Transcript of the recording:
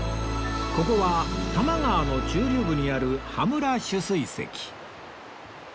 ここは多摩川の中流部にある羽村取水堰